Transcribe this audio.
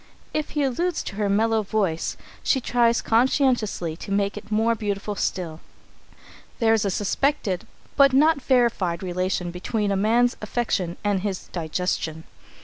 If he alludes to her mellow voice, she tries conscientiously to make it more beautiful still. There is a suspected but not verified relation between a man's affection and his digestion.